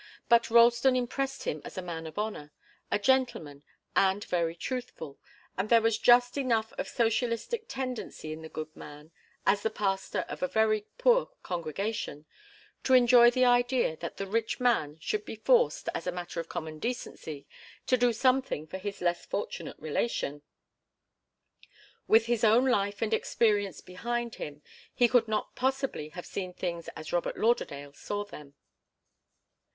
But Ralston impressed him as a man of honour, a gentleman and very truthful, and there was just enough of socialistic tendency in the good man, as the pastor of a very poor congregation, to enjoy the idea that the rich man should be forced, as a matter of common decency, to do something for his less fortunate relation. With his own life and experience behind him, he could not possibly have seen things as Robert Lauderdale saw them.